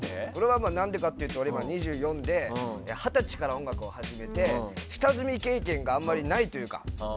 何でかというと今、２４で二十歳から音楽を初めて下積み経験があまりないというか。